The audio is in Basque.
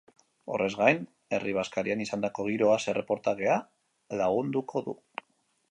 Horrez gain, herri bazkarian izandako giroaz erreportajea landuko du.